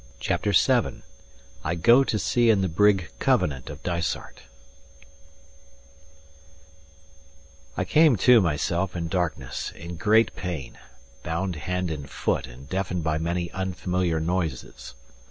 CHAPTER VII I GO TO SEA IN THE BRIG "COVENANT" OF DYSART I came to myself in darkness, in great pain, bound hand and foot, and deafened by many unfamiliar noises.